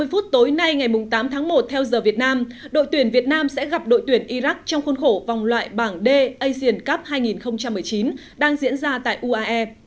ba mươi phút tối nay ngày tám tháng một theo giờ việt nam đội tuyển việt nam sẽ gặp đội tuyển iraq trong khuôn khổ vòng loại bảng d asian cup hai nghìn một mươi chín đang diễn ra tại uae